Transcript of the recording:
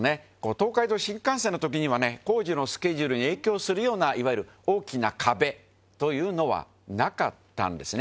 東海道新幹線の時にはね筿離好吋献紂璽襪影響するようない錣罎大きな壁というのはなかったんですね。